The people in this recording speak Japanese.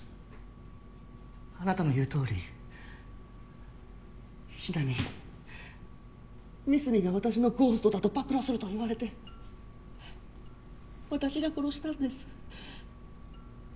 ああなたの言うとおり菱田に三隅が私のゴーストだと暴露すると言われて私が殺したんです。